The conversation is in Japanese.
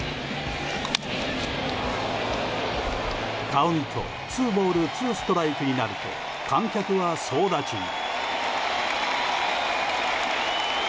カウントツーボール、ツーストライクになると観客は総立ちに。